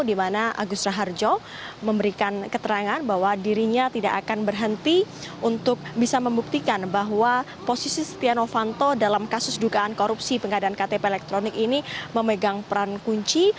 di mana agus raharjo memberikan keterangan bahwa dirinya tidak akan berhenti untuk bisa membuktikan bahwa posisi setia novanto dalam kasus dugaan korupsi pengadaan ktp elektronik ini memegang peran kunci